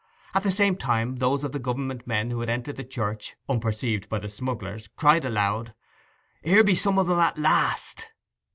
At the same time those of the Government men who had entered the church unperceived by the smugglers cried aloud, 'Here be some of 'em at last.